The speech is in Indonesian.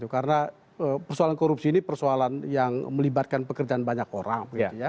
karena persoalan korupsi ini persoalan yang melibatkan pekerjaan banyak orang